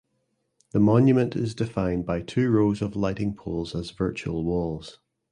The monument is defined by two rows of lighting poles as virtual walls.